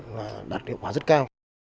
là đạt hiệu quả rất cao